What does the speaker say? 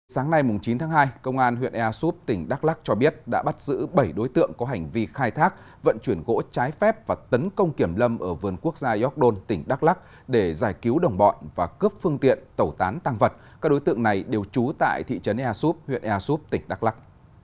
sáng nay chín tháng hai công an huyện ea súp tỉnh đắk lắc cho biết đã bắt giữ bảy đối tượng có hành vi khai thác vận chuyển gỗ trái phép và tấn công kiểm lâm ở vườn quốc gia york don tỉnh đắk lắc để giải cứu đồng bọn và cướp phương tiện tẩu tán tăng vật các đối tượng này đều trú tại thị trấn ea súp huyện ea súp tỉnh đắk lắc